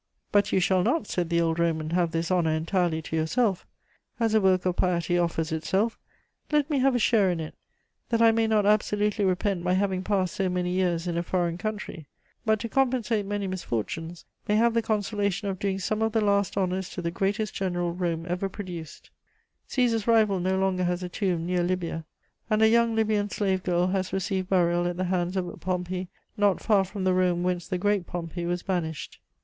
"'But you shall not,' said the old Roman, 'have this honour entirely to yourself. As a work of piety offers itself, let me have a share in it; that I may not absolutely repent my having passed so many years in a foreign country; but, to compensate many misfortunes, may have the consolation of doing some of the last honours to the greatest general Rome ever produced.'" Cæsar's rival no longer has a tomb near Lybia, and a young Lybian slave girl has received burial at the hands of a Pompey not far from the Rome whence the great Pompey was banished.